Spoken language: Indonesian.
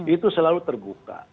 itu selalu terbuka